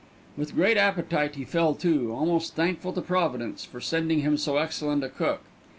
With great appetite he fell to, almost thankful to Providence for sending him so excellent a cook.